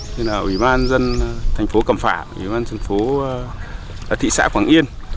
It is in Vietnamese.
như là ủy ban dân thành phố cầm phả ủy ban dân thành phố thị xã quảng yên